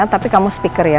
tapi kamu speaker ya